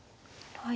はい。